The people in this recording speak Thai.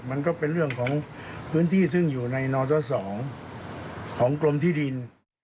มันก็เป็นเรื่องของพื้นที่ซึ่งอยู่ในนทศ๒ของกรมที่ดิน